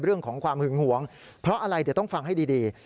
เรื่องของความหึงหวงเพราะอะไรเดี๋ยวต้องฟังให้ดี